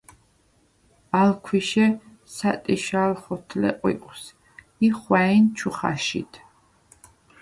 ალ ქვიშე სე̄ტიშა̄ლ ხოთლე ყვიყვს ი ხვა̄̈ჲნ ჩუ ხაშიდ.